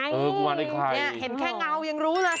เห็นแค่เงายังรู้นะ